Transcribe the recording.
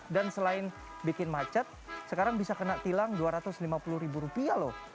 dan selain bikin macet sekarang bisa kena tilang dua ratus lima puluh ribu rupiah loh